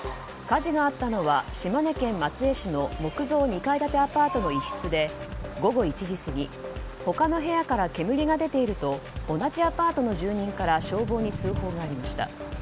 火事があったのは島根県松江市の木造２階建てアパートの一室で午後１時過ぎ他の部屋から煙が出ていると同じアパートの住人から消防に通報がありました。